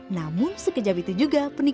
namun sekejap itu juga tidak terlalu mudah